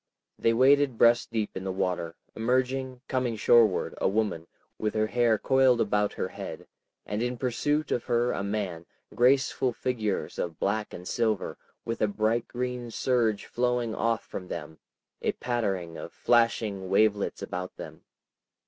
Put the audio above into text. They waded breast deep in the water, emerging, coming shoreward, a woman, with her hair coiled about her head, and in pursuit of her a man, graceful figures of black and silver, with a bright green surge flowing off from them, a pattering of flashing wavelets about them.